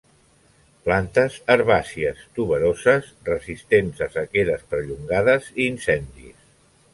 Plantes herbàcies, tuberoses, resistents a sequeres perllongades i incendis.